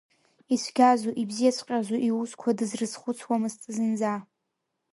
Ицәгьазу ибзиаҵәҟьазу иусқәа дызрызхәыцуамызт зынӡа.